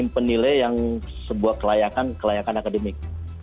penilai yang sebuah kelayakan kelayakan akademik